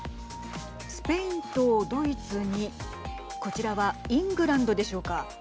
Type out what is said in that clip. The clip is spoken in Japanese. スペインとドイツにこちらはイングランドでしょうか。